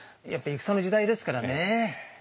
やっぱ戦の時代ですからね。